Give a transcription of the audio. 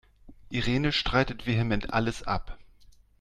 Irene streitet vehement alles ab.